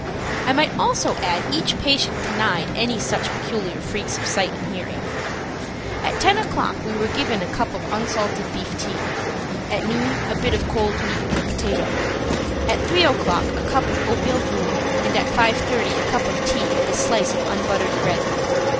I might also add each patient denied any such peculiar freaks of sight and hearing. At 10 o'clock we were given a cup of unsalted beef tea; at noon a bit of cold meat and a potatoe, at 3 o'clock a cup of oatmeal gruel and at 5.30 a cup of tea and a slice of unbuttered bread.